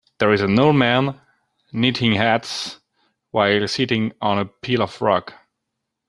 There is an old man knitting hats while sitting on a pile of rocks.